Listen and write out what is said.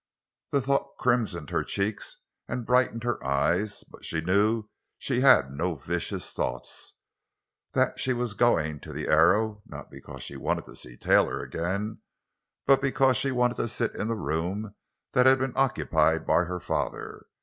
The thought crimsoned her cheeks and brightened her eyes; but she knew she had no vicious thoughts—that she was going to the Arrow, not because she wanted to see Taylor again, but because she wanted to sit in the room that had been occupied by her father.